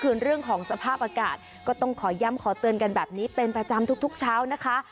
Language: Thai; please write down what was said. เรื่องของสภาพอากาศก็ต้องขอย้ำขอเตือนกันแบบนี้เป็นประจำทุกเช้านะคะ